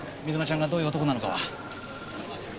水間ちゃんがどういう男なのかは。